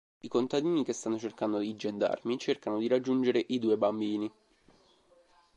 I contadini che stanno cercando i gendarmi cercano di raggiungere i due bambini.